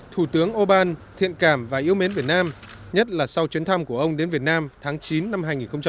thủ tướng ô ban thiện cảm và yêu mến việt nam nhất là sau chuyến thăm của ông đến việt nam tháng chín năm hai nghìn một mươi bảy